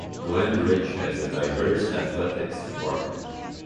Glen Ridge has a diverse athletics department.